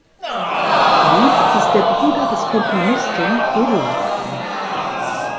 Franck ist der Bruder des Komponisten Eduard Franck.